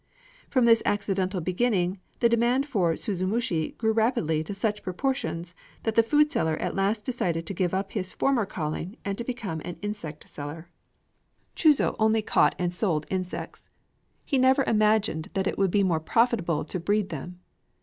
From this accidental beginning, the demand for suzumushi grew rapidly to such proportions that the foodseller at last decided to give up his former calling and to become an insect seller. Chūzō only caught and sold insects: he never imagined that it would be more profitable to breed them.